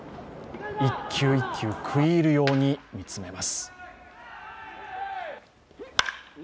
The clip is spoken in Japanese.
１球１球食い入るように見つめます。